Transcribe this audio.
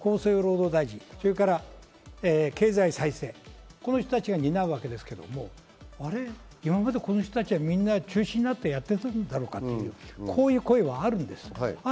それから経済再生、この人たちが担うわけですが、今までこの人たちはみんな中心になってやっていたんだろうかという声はあるんです。